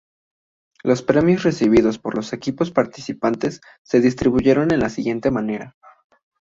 Los premios recibidos por los equipos participantes se distribuyeron de la siguiente manera.